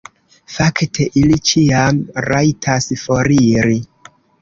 Fakte ili ĉiam rajtas foriri.